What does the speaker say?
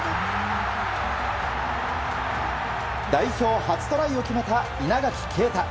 代表初トライを決めた稲垣啓太。